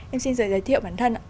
em xin giới thiệu bản thân